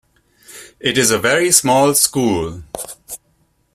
It is a very small school.